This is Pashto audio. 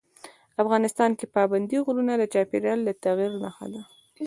افغانستان کې پابندي غرونه د چاپېریال د تغیر نښه ده.